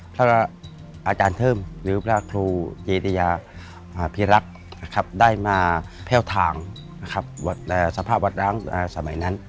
พระอาจารย์เทิมหรือพระครูเกติยาพิรักษ์ได้มาแพ่วทางสภาพวัดร้างสมัยนั้น